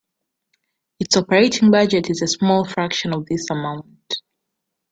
Its operating budget is a small fraction of this amount.